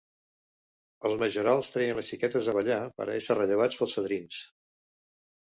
Els majorals treien les xiques a ballar per a ésser rellevats pels fadrins.